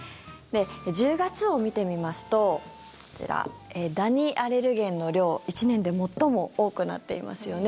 １０月を見てみますとダニアレルゲンの量１年で最も多くなっていますよね。